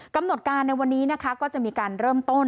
กำหนดการในวันนี้นะคะก็จะมีการเริ่มต้น